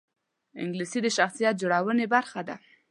انګلیسي د شخصیت جوړونې برخه ده